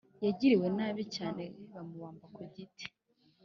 yagiriwe nabi cyane, bamubamba ku giti.